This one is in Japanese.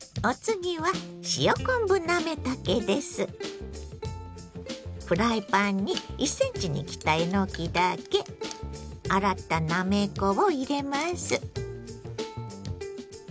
お次はフライパンに１ｃｍに切ったえのきだけ洗ったなめこを入れます。